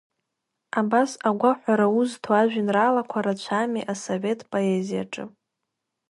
Абас агәаҳәара узҭо ажәеинраалақәа рацәами асовет поезиаҿы.